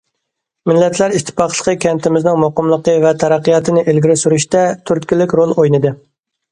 مىللەتلەر ئىتتىپاقلىقى كەنتىمىزنىڭ مۇقىملىقى ۋە تەرەققىياتىنى ئىلگىرى سۈرۈشتە تۈرتكىلىك رول ئوينىدى.